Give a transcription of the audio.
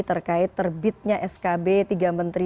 terkait terbitnya skb tiga menteri